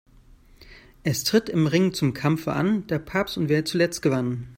Es tritt im Ring zum Kampfe an: Der Papst und wer zuletzt gewann.